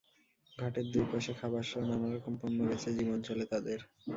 ঘাটের দুই পাশে খাবারসহ নানা রকম পণ্য বেচে জীবন চলে তাঁদের।